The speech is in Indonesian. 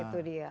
nah itu dia